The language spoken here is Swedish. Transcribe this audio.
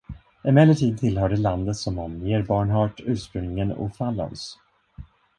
Emellertid tillhörde landet som omger Barnhart ursprungligen O'Fallons.